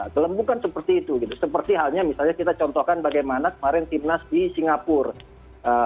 selembung kan seperti itu seperti halnya misalnya kita contohkan bagaimana kemarin timnas di singapura